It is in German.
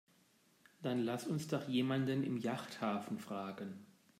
Dann lass uns doch jemanden im Yachthafen fragen.